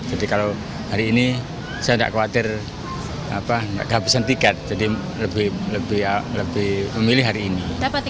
jadi kalau hari ini saya tidak khawatir tidak kehabisan tiket jadi lebih memilih hari ini